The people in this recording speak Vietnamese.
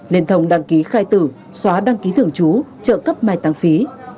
nên thông đăng ký khai tử xóa đăng ký thường trú trợ cấp mai tăng phí